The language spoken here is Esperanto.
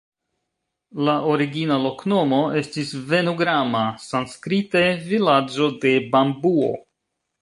La origina loknomo estis "Venugrama" (sanskrite "vilaĝo de bambuo").